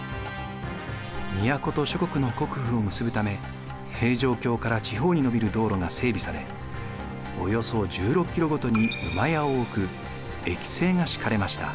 都と諸国の国府を結ぶため平城京から地方に延びる道路が整備されおよそ１６キロごとに駅家を置く駅制が敷かれました。